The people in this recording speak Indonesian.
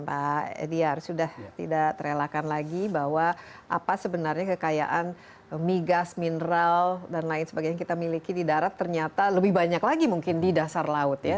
pak ediar sudah tidak terelakkan lagi bahwa apa sebenarnya kekayaan migas mineral dan lain sebagainya yang kita miliki di darat ternyata lebih banyak lagi mungkin di dasar laut ya